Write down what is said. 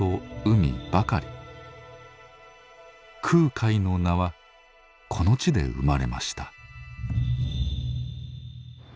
「空海」の名はこの地で生まれました。